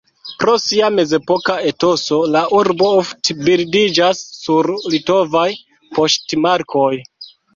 Pro sia mezepoka etoso, la urbo ofte bildiĝas sur litovaj poŝtmarkoj.